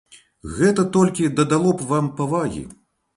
Гэта толькі дадало б вам павагі!